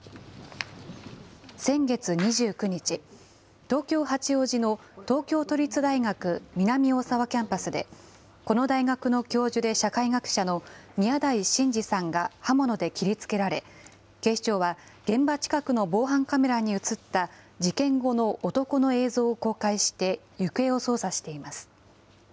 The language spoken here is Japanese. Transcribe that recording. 先月２９日、東京・八王子の東京都立大学南大沢キャンパスで、この大学の教授で社会学者の宮台真司さんが刃物で切りつけられ、警視庁は現場近くの防犯カメラに写った事件後の男の映像を公開して行方を捜査しています。